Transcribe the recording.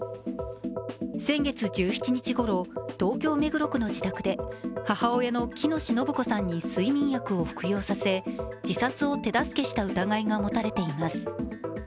先月１７日ごろ、東京・目黒区の自宅で、母親の喜熨斗延子さんに睡眠薬を服用させ自殺を手助けした疑いが持たれています。